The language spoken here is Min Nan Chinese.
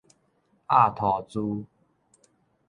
鴨塗珠